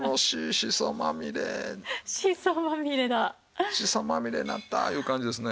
「しそまみれになった」という感じですね。